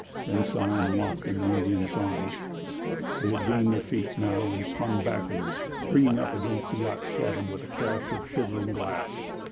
Then saw him locked in the Indian's arms. They had gained their feet now, and spun backward, bringing up against the yacht's cabin with a crash of shivering glass.